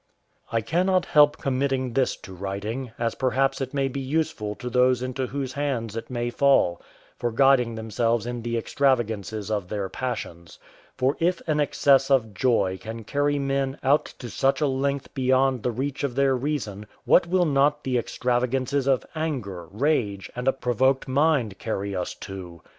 I cannot help committing this to writing, as perhaps it may be useful to those into whose hands it may fall, for guiding themselves in the extravagances of their passions; for if an excess of joy can carry men out to such a length beyond the reach of their reason, what will not the extravagances of anger, rage, and a provoked mind carry us to?